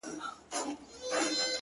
زما د زړه کوتره”